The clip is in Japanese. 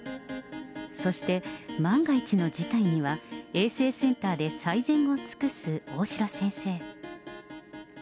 そして万が一の事態には、衛生センターで最善を尽くす大城先生。